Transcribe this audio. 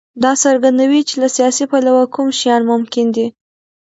دا څرګندوي چې له سیاسي پلوه کوم شیان ممکن دي.